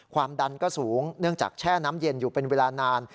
ความดันก็สูงเนื่องจากแช่น้ำเย็นอยู่เป็นเวลานาน